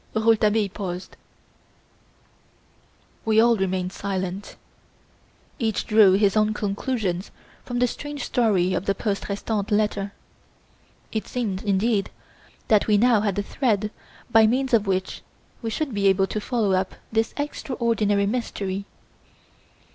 Rouletabille paused. We all remained silent. Each drew his own conclusions from the strange story of the poste restante letter. It seemed, indeed, that we now had a thread by means of which we should be able to follow up this extraordinary mystery.